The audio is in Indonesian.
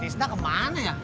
si tisna kemana ya